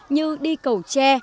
như đi cầu tre